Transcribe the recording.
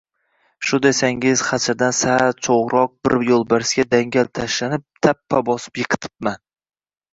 Shu desangiz, xachirdan sal chog‘roq bir yo‘lbarsga dangal tashlanib, tappa bosib yiqitibman